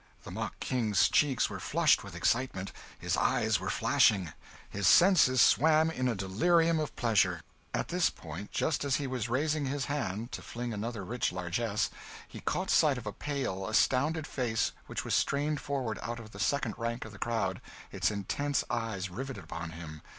The mock King's cheeks were flushed with excitement, his eyes were flashing, his senses swam in a delirium of pleasure. At this point, just as he was raising his hand to fling another rich largess, he caught sight of a pale, astounded face, which was strained forward out of the second rank of the crowd, its intense eyes riveted upon him.